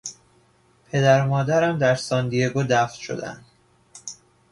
پدر و مادرم در ساندیگو دفن شدهاند.